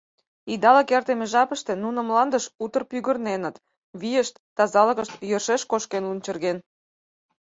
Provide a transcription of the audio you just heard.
Идалык эртыме жапыште нуно мландыш утыр пӱгырненыт, вийышт, тазалыкышт йӧршеш кошкен лунчырген.